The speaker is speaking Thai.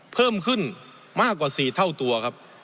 เพิ่มขึ้นมากกว่า๔เท่าตัวครับ